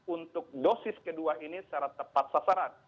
untuk dosis kedua ini secara tepat sasaran